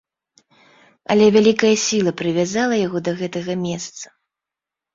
Але вялікая сіла прывязала яго да гэтага месца.